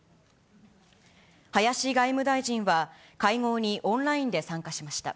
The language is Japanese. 林外務大臣は、会合にオンラインで参加しました。